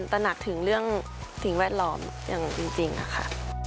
ตระหนักถึงเรื่องสิ่งแวดล้อมอย่างจริงค่ะ